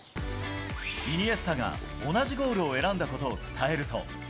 イニエスタが同じゴールを選んだことを伝えると。